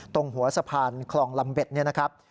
ตรงหัวสะพานคลองลำเบ็ดเนี่ยนะครับ